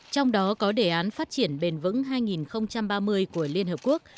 trong đó có đề án phát triển bền vững hai nghìn ba mươi của liên hợp quốc